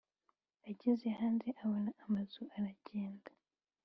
ageze hanze abona amazu aragenda